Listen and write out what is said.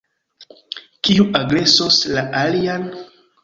Kiu agresos la alian?